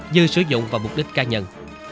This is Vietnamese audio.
dư sử dụng vào mục đích ca nhân